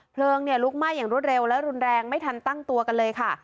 เพลิงลุกไหม้อย่างรวดเร็วและรุนแรงไม่ทันตั้งตัวกันเลยค่ะ